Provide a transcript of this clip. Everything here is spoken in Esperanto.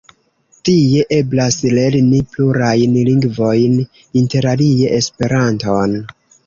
Tie eblas lerni plurajn lingvojn, interalie Esperanton.